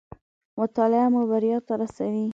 مطالعه مو بريا ته راسوي